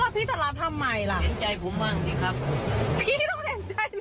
ผมเข้าใจผมเข้าใจ